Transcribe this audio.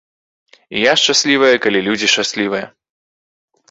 І я шчаслівая, калі людзі шчаслівыя.